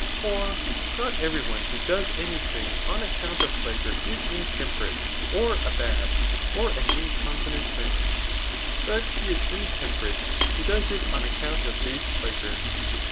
For not every one who does any thing on account of pleasure is intemperate, or a bad, or an incontinent man ; but he is intemperate who does it on account of base pleasure.